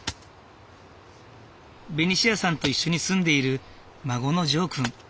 ベニシアさんと一緒に住んでいる孫のジョーくん。